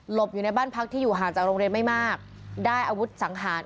อยู่ในบ้านพักที่อยู่ห่างจากโรงเรียนไม่มากได้อาวุธสังหาร